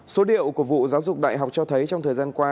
số liệu của vụ giáo dục đại học cho thấy trong thời gian qua